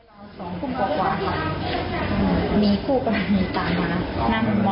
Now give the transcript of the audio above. สองคุมกว่ากว่าครับมีคู่กรณีขับมา